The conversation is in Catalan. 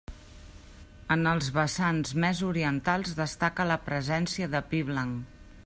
En els vessants més orientals destaca la presència de pi blanc.